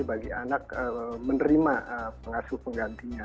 bagi anak menerima pengasuh penggantinya